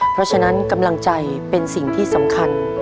เพราะฉะนั้นกำลังใจเป็นสิ่งที่สำคัญ